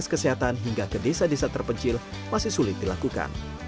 fasilitas kesehatan hingga ke desa desa terpencil masih sulit dilakukan